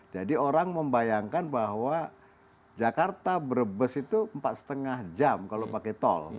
jadi orang membayangkan bahwa jakarta brebes itu empat lima jam kalau pakai tol